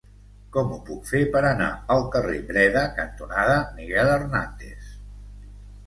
Com ho puc fer per anar al carrer Breda cantonada Miguel Hernández?